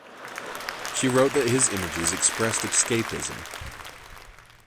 She wrote that his images expressed escapism.